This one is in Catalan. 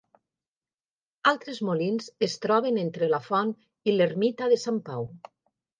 Altres molins es troben entre la font i l'ermita de Sant Pau.